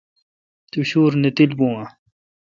تو شُور نہ تیل بُون آں؟